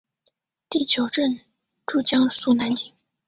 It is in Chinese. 第九镇驻江苏南京。